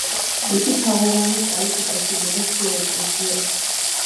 იგი თაღოვანი კარით უკავშირდება შუა ეკლესიას.